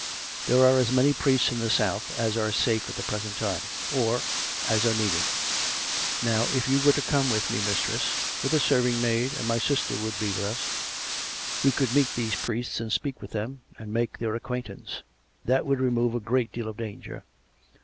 There are as many priests in the south as are safe at the present time — or as are needed. Now if you were to come with me, mistress — with a serving maid, and my sister would be with us — we could meet these priests, and speak with them, and make their acquaintance. That would remove a great deal of danger.